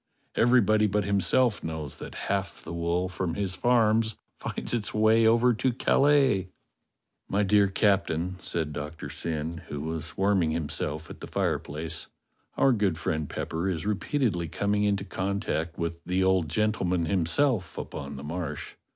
Everybody but himself knows that half the wool from his farms finds its way over to Calais." "My dear Captain," said Doctor Syn, who was warm ing himself at the fireplace, "our good friend Pepper is repeatedly coming into contact with the old gentleman himself upon the Marsh.